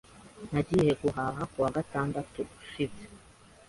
Nagiye guhaha kuwa gatandatu ushize.